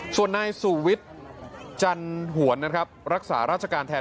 ส่วนนายสูวิทย์จันหวนนะครับรักษาราชการแทน